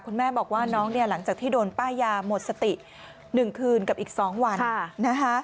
คุณแม่บอกว่าน้องเนี่ยหลังจากที่โดนป้ายาหมดสติ๑คืนกับอีก๒วันนะคะ